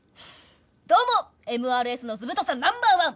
どうもＭＲＳの図太さナンバーワン！